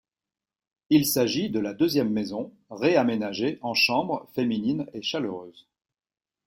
Il s'agit de la deuxième maison réaménagée en chambre féminine et chaleureuse.